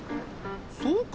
そうか？